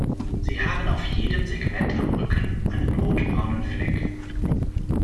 Sie haben auf jedem Segment am Rücken einen rotbraunen Fleck.